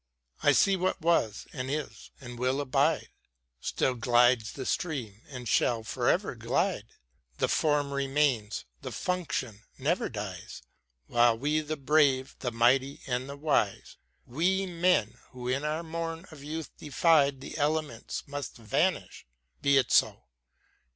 I see what was, and is, and will abide ; Still glides the Stream and shall for ever glide j The Form remains, the Function never dies ; While we the brave, the mighty and the wise, We men, who in our morn of youth defied The elements, must vanish ;— be it so